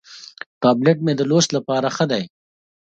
ټابلیټ مې د لوست لپاره ښه دی.